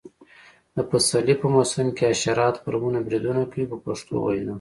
د پسرلي په موسم کې حشرات پر ونو بریدونه کوي په پښتو وینا.